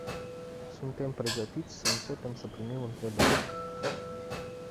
Suntem pregătiți să începem să primim întrebări.